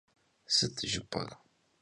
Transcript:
Sıt jjıp'er?